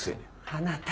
あなた。